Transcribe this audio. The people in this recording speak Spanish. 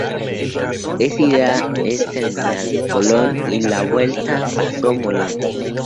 La ida es Terminal Colón y la vuelta Paso Molino.